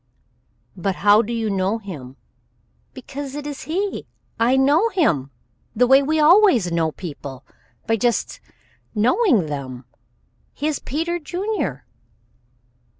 "But how do you know him?" "Because it is he. I know him the way we always know people by just knowing them. He is Peter Junior."